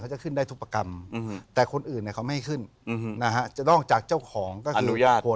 เขาจะขึ้นได้ทุกประกรรมแต่คนอื่นเนี่ย